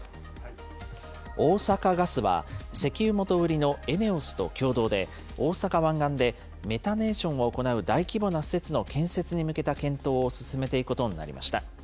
大阪ガスは、石油元売りのＥＮＥＯＳと共同で、大阪湾岸でメタネーションを行う大規模な施設の建設に向けた検討を進めていくことになりました。